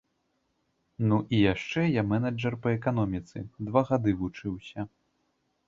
Ну, і яшчэ я мэнэджар па эканоміцы, два гады вучыўся.